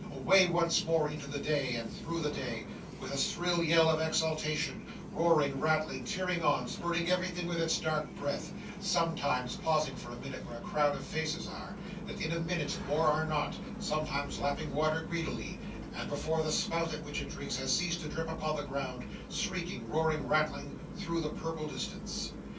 Away once more into the day, and through the day, with a shrill yell of exultation, roaring, rattling, tearing on, spurning everything with its dark breath, sometimes pausing for a minute where a crowd of faces are, that in a minute more are not; sometimes lapping water greedily, and before the spout at which it drinks has ceased to drip upon the ground, shrieking, roaring, rattling through the purple distance!